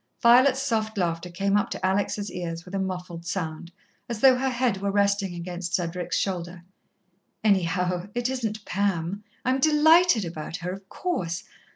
Violet's soft laughter came up to Alex' ears with a muffled sound, as though her head were resting against Cedric's shoulder. "Anyhow, it isn't Pam I'm delighted about her, of course.